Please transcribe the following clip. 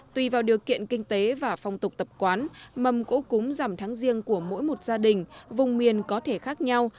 tùy vào điều kiện kinh tế và phong tục tập quán mầm cỗ cúng giảm tháng riêng của mỗi một gia đình vùng miền có thể khác nhau